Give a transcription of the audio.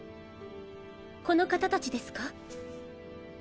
この方達ですか？